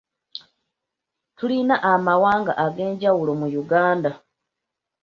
Tulina amawanga ag'enjawulo mu Uganda.